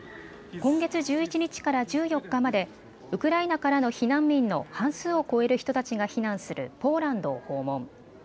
今月１１日から１４日までウクライナからの避難民の半数を超える人たちが避難するポーランドを訪問。